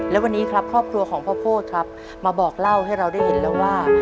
และวันนี้ครับครอบครัวของพ่อโพธครับมาบอกเล่าให้เราได้เห็นแล้วว่า